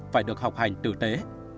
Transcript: phải được học hành tử tế